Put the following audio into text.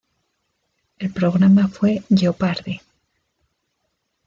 El programa fue "Jeopardy!